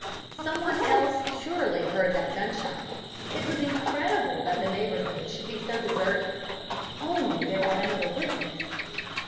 Some one else surely heard that gunshot. It was incredible that the neighborhood should be so deserted. If only there were another witness!